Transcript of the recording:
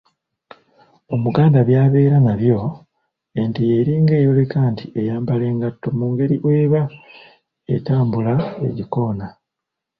Omuganda by’abeera nabyo, ente y’eringa eyoleka nti eyambala engatto mu ngeri bw’eba etambula egikoona.